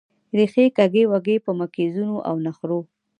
ریښې کږې وږې په مکیزونو او نخرو